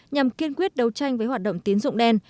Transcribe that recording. nhằm kiên quyết đấu tranh với hoạt động tín dụng đen